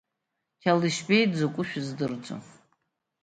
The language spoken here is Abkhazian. Қьалашьбеи дзакәу шәыздырӡом!